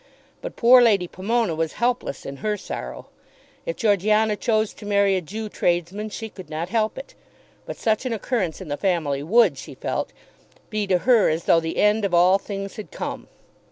But poor Lady Pomona was helpless in her sorrow. If Georgiana chose to marry a Jew tradesman she could not help it. But such an occurrence in the family would, she felt, be to her as though the end of all things had come.